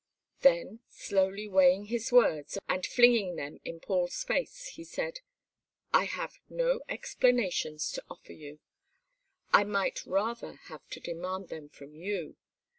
Then, slowly weighing his words, and flinging them in Paul's face, he said: "I have no explanations to offer you I might rather have to demand them from you.